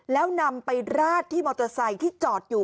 แล้วนำไปราดที่มอเตอร์ไซค์ที่จอดอยู่